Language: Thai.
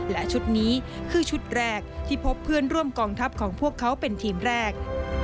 และชุดนี้คือชุดแรกที่พบเพื่อนร่วมกองทัพของพวกเขาเป็นทีมแรก